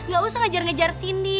gak usah ngajar ngejar cindy